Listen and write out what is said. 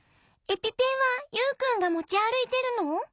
エピペンはユウくんがもちあるいてるの？